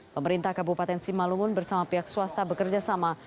pemerintah kabupaten simalungun bersama pihak swasta bekerjasama